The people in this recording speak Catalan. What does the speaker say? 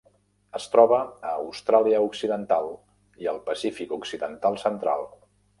Es troba a Austràlia Occidental i al Pacífic occidental central.